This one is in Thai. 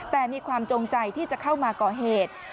แต่มีความจงใจที่จะเข้ามาก่อเหตุ